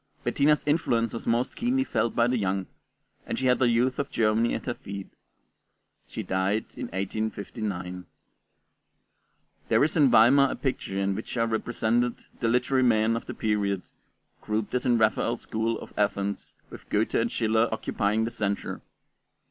Bettina's influence was most keenly felt by the young, and she had the youth of Germany at her feet. She died in 1859. There is in Weimar a picture in which are represented the literary men of the period, grouped as in Raphael's School of Athens, with Goethe and Schiller occupying the centre.